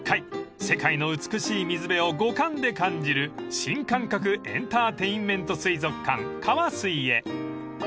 ［世界の美しい水辺を五感で感じる新感覚エンターテインメント水族館カワスイへ］